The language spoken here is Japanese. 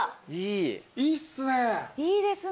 いいっすね。